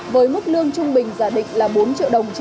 với mức lương trung bình giả định là bốn triệu đồng